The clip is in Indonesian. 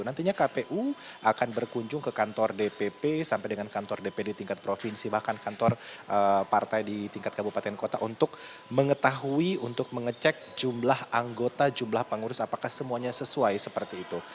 nantinya kpu akan berkunjung ke kantor dpp sampai dengan kantor dpd tingkat provinsi bahkan kantor partai di tingkat kabupaten kota untuk mengetahui untuk mengecek jumlah anggota jumlah pengurus apakah semuanya sesuai seperti itu